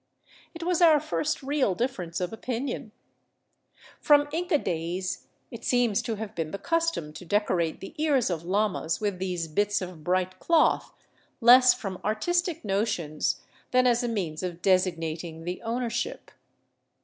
It was our first real difference of opinion. From Inca days it seems to have been the custom to decorate the ears of llamas with these bits of bright cloth, less from artistic notions than as a 346 OVERLAND TOWARD CUZCO means of designating the ownership.